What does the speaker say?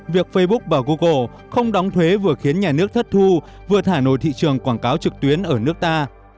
việc facebook và google không đóng thuế vừa khiến nhà nước thất thu vừa thả nổi thị trường quảng cáo trực tuyến ở nước ta